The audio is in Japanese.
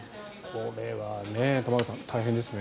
これは、玉川さん大変ですね。